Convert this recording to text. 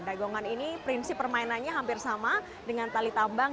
dagongan ini prinsip permainannya hampir sama dengan tali tambang